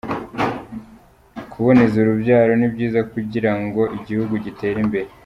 kuboneza urubyaro nibyiza kugirango igihugu gitere imbere